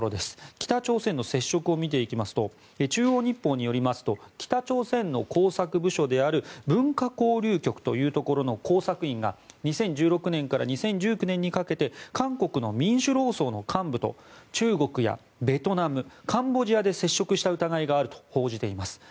北朝鮮の接触を見ていきますと中央日報によりますと北朝鮮の工作部署である文化交流局というところの工作員が２０１６年から２０１９年にかけて韓国の民主労総の幹部と中国やベトナムカンボジアで接触した疑いがあると報じています。